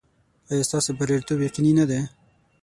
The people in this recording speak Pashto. ایا ستاسو بریالیتوب یقیني نه دی؟